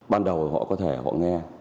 ban đầu họ có thể họ nghe